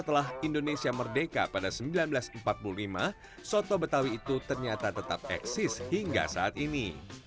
setelah indonesia merdeka pada seribu sembilan ratus empat puluh lima soto betawi itu ternyata tetap eksis hingga saat ini